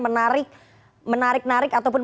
menarik menarik narik ataupun